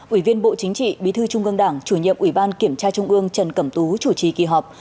ủy viên bộ chính trị bí thư trung ương đảng chủ nhiệm ủy ban kiểm tra trung ương trần cẩm tú chủ trì kỳ họp